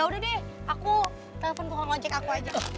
ya udah deh aku telepon tukang ojek aku aja